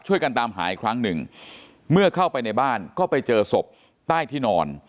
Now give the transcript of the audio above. ช่วยกันตามหาอีกครั้งหนึ่งเมื่อเข้าไปในบ้านก็ไปเจอศพใต้ที่นอน